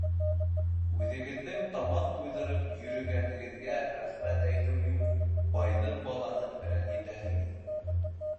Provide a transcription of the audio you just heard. Үҙегеҙҙең тамаҡ туйҙырып йөрөгәнегеҙгә рәхмәт әйтеү юҡ, байҙың балаһын рәнйетәһегеҙ.